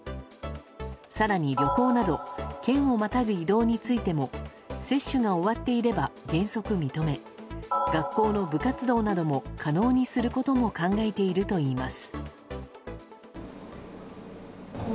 更に旅行など県をまたぐ移動についても接種が終わっていれば原則認め学校の部活動なども可能にすることも考えているといいます。